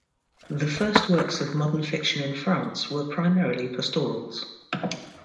The first works of modern fiction in France were primarily pastorals.